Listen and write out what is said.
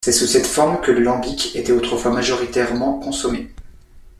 C'est sous cette forme que le lambic était autrefois majoritairement consommé.